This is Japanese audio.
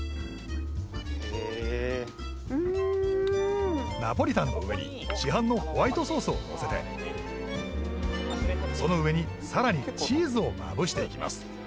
へえうんナポリタンの上に市販のホワイトソースをのせてその上に更にチーズをまぶしていきます